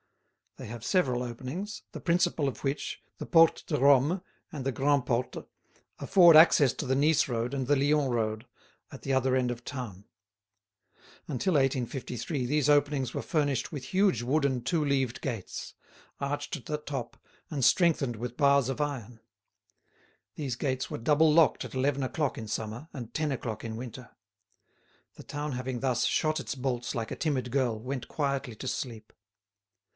They have several openings, the principal of which, the Porte de Rome and the Grand' Porte, afford access to the Nice road and the Lyons road, at the other end of town. Until 1853 these openings were furnished with huge wooden two leaved gates, arched at the top, and strengthened with bars of iron. These gates were double locked at eleven o'clock in summer, and ten o'clock in winter. The town having thus shot its bolts like a timid girl, went quietly to sleep.